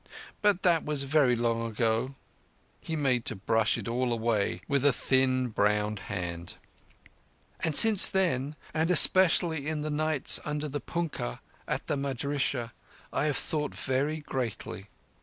But that was very long ago," he made as to brush it all away with a thin brown hand—"and since then, and especially in the nights under the punkah at the madrissah, I have thought very greatly."